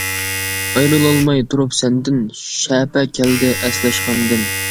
ئايرىلالماي تۇرۇپ سەندىن، شەپە كەلدى ئەسلەش غەمدىن.